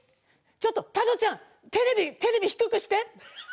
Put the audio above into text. ちょっとたろちゃんテレビ低くして。